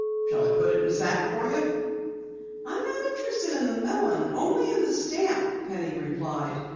"Shall I put it in a sack for you?" "I'm not interested in the melon only in the stamp," Penny replied.